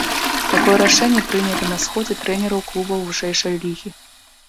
Такое рашэнне прынялі на сходзе трэнераў клубаў вышэйшай лігі.